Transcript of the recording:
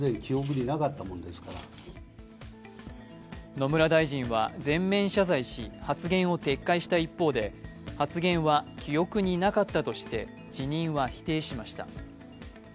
野村大臣は全面謝罪し、発言を撤回した一方で、発言は記憶になかったとして辞任は否定しました。